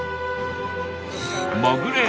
潜れ！